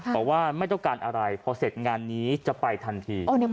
บอกว่าไม่ต้องการอะไรพอเสร็จงานนี้จะไปทันที